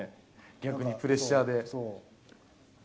逆にプレッシャーで。